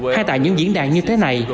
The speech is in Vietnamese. hay tại những diễn đàn như thế này